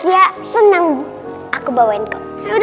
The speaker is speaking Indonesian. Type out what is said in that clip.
ya selamat datangnya disini